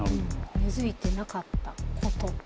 根づいてなかったこと。